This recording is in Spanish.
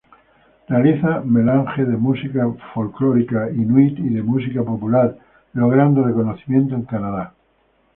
Realiza melange de música folclórica inuit y de música popular logrando reconocimiento en Canadá.